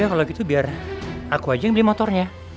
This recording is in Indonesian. kalau gitu biar aku aja yang beli motornya